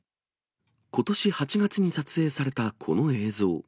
ことし８月に撮影されたこの映像。